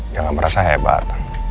jangan merasa hebat